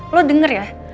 lo denger ya